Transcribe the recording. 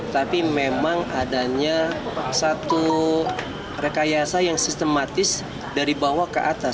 tapi memang adanya satu rekayasa yang sistematis dari bawah ke atas